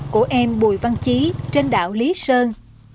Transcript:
của em bùi văn chí trên đảo lý sơn